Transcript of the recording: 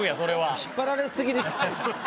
引っ張られ過ぎですって。